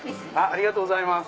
ありがとうございます。